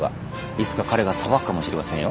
いつか彼が裁くかもしれませんよ